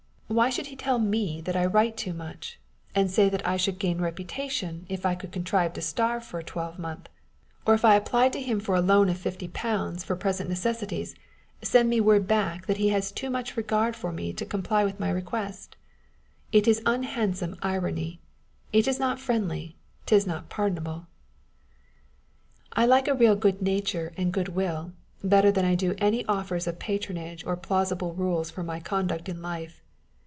Why should he tell me I write too much, and say that I should gain reputation if I could contrive to starve for a twelvemonth ? Or if 1 On the Spirit of Obligations? 109 apply to him for a loan of fifty pounds for present neces sity, send me word back that he has too much regard for me to comply with my request ? It is unhandsome irony. It is not friendly, 'tis not pardonable.1 I like real good nature and good will, better than I do any offers of patronage or plausible rules for my conduct in life.